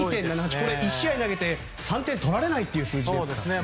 １試合投げて３点取られない数字ですからね。